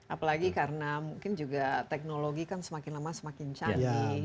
apalagi karena mungkin juga teknologi kan semakin lama semakin canggih